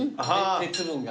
鉄分が。